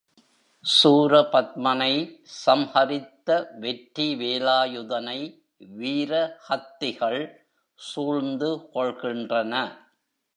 சூரபத்மனை சம்ஹரித்த வெற்றி வேலாயுதனை வீர ஹத்திகள் சூழ்ந்து கொள்கின்றன.